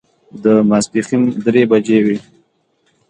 د ماسپښین درې بجې وې.